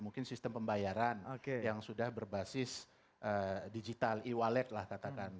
mungkin sistem pembayaran yang sudah berbasis digital e wallet lah katakan